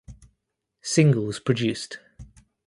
Singles produced